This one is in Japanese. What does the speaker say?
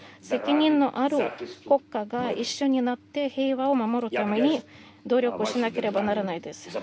責任のある国家が一緒になって平和を守るために努力しなければならないです。